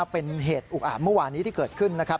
เป็นเหตุอุกอาบเมื่อวานี้ที่เกิดขึ้นนะครับ